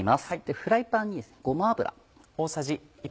フライパンにごま油。